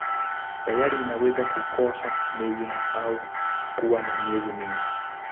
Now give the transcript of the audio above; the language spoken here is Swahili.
Sayari inaweza kukosa mwezi au kuwa na miezi mingi.